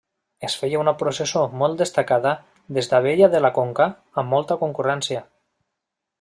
Es feia una processó molt destacada des d'Abella de la Conca, amb molta concurrència.